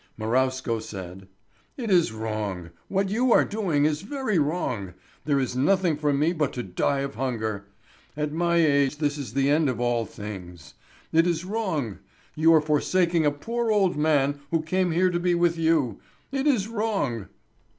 Marowsko said: "It is wrong; what you are doing is very wrong. There is nothing for me but to die of hunger. At my age this is the end of all things. It is wrong. You are forsaking a poor old man who came here to be with you. It is wrong."